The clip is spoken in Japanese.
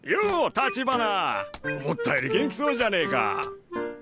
立花思ったより元気そうじゃねえか。